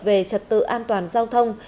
về trật tự an toàn giao thông